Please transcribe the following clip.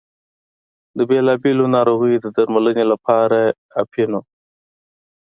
د بېلا بېلو ناروغیو د درملنې لپاره اپینو.